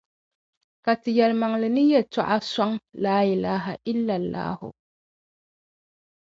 Ka ti yɛlimaŋli ni yɛltɔɣa suŋ, Laa’ilaaha illallahu.